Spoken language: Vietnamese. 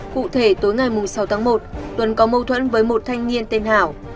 cụ thể tối ngày sáu tháng một tuấn có mâu thuẫn với một thanh niên tên hảo